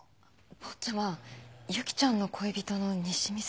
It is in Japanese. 坊ちゃま由紀ちゃんの恋人の西見さんは。